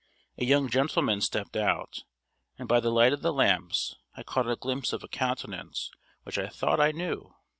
A young gentleman stepped out, and by the light of the lamps I caught a glimpse of a countenance which I thought I knew.